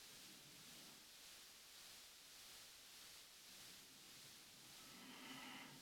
Joe Hahn y el director Gregory Dark idearon el concepto para el video.